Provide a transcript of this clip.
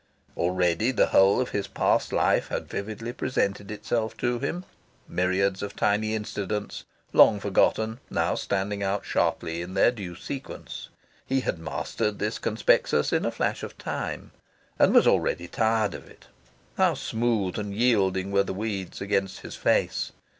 Already the whole of his past life had vividly presented itself to him myriads of tiny incidents, long forgotten, now standing out sharply in their due sequence. He had mastered this conspectus in a flash of time, and was already tired of it. How smooth and yielding were the weeds against his face!